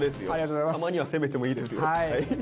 たまには攻めてもいいですよ。